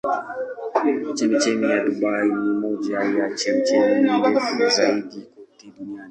Chemchemi ya Dubai ni moja ya chemchemi ndefu zaidi kote duniani.